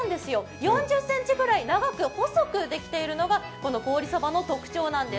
４０ｃｍくらい長く細くできているのがこの凍りそばの特徴なんです。